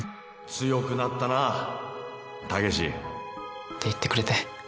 強くなったな毅。って言ってくれて。